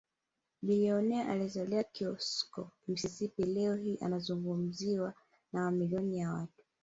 Bilionea aliyezaliwa Kosiosko Mississippi leo hii anazungumziwa na mamilioni ya watu